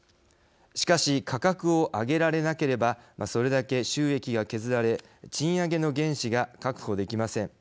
しかし、価格を上げられなければそれだけ収益が削られ賃上げの原資が確保できません。